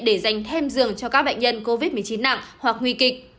để dành thêm giường cho các bệnh nhân covid một mươi chín nặng hoặc nguy kịch